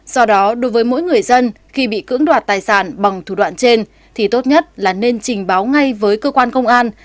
do đó đối với mỗi người dân khi bị cưỡng đoạt tài sản bằng thủ đoạn trên thì tốt nhất là nên trình báo ngay với cơ quan công an